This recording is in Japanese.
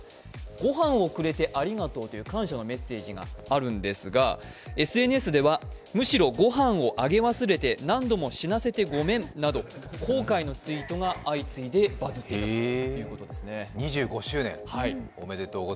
「ごはんをくれてありがとう」という感謝のメッセージがあるんですが、ＳＮＳでは、むしろ御飯をあげ忘れて何度も死なせてごめんなど後悔のツイートがバズったということです。